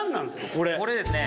これですね